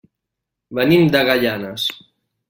Venim de Gaianes.